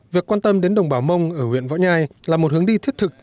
việc quan tâm đến đồng bào mông ở huyện võ nhai là một hướng đi thiết thực